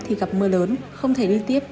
thì gặp mưa lớn không thể đi tiếp